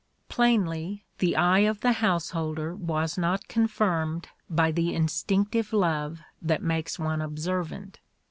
Plainly the eye of the householder was not confirmed by the instinctive love that makes one observant.